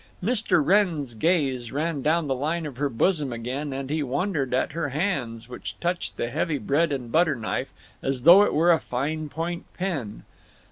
Mr. Wrenn's gaze ran down the line of her bosom again, and he wondered at her hands, which touched the heavy bread and butter knife as though it were a fine point pen.